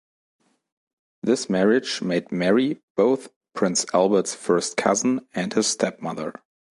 This marriage made Marie both Prince Albert's first cousin and his stepmother.